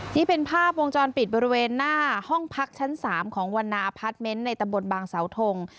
นี่เป็นภาพวงจรปิดบริเวณหน้าห้องพักชั้น๓ของวันนาอพาร์ทเมนต์ในตำบลบางเสาทง